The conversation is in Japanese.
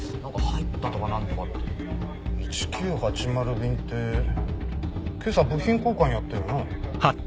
１９８０便ってけさ部品交換やったよな？